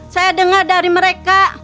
saya dengar dari mereka